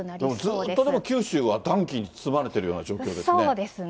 でもずっとでも、九州は暖気に包まれているような状況ですね。